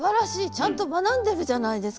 ちゃんと学んでるじゃないですか！